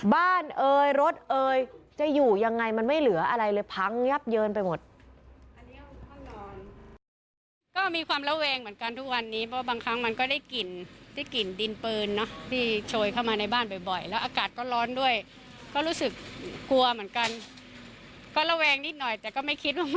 เอ่ยรถเอยจะอยู่ยังไงมันไม่เหลืออะไรเลยพังยับเยินไปหมด